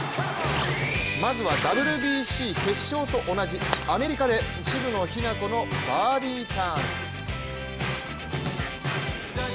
まずはＷＢＣ決勝と同じアメリカで渋野日向子のバーディーチャンス。